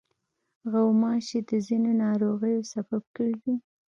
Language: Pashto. غوماشې د ځینو ناروغیو سبب ګرځي.